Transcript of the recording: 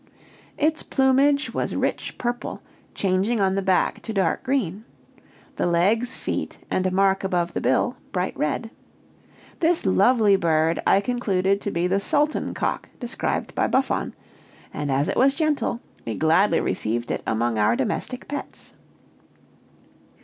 Its plumage was rich purple, changing on the back to dark green; the legs, feet, and a mark above the bill, bright red. This lovely bird I concluded to be the sultan cock described by Buffon, and as it was gentle, we gladly received it among our domestic pets.